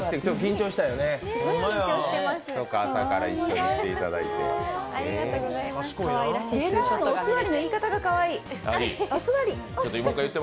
朝から一緒に来ていただいて。